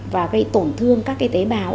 và gây tổn thương các tế bào